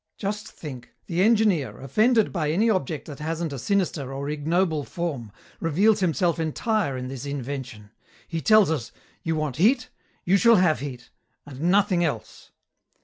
"Just think, the engineer, offended by any object that hasn't a sinister or ignoble form, reveals himself entire in this invention. He tells us, 'You want heat. You shall have heat and nothing else.'